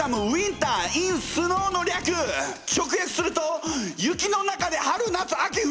直訳すると「雪の中で春夏秋冬」